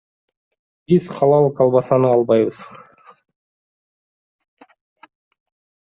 Биз халал колбасаны албайбыз.